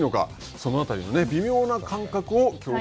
その辺りの微妙な感覚を強化